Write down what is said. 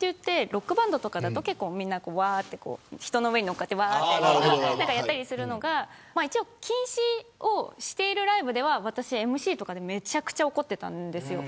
ロックバンドとかだと結構みんな人の上に乗っかってやったりするのが禁止しているライブでは私はＭＣとかでめちゃくちゃ怒ってたんですよ。